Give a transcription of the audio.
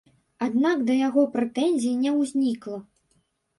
Аднак да яго прэтэнзій не ўзнікла.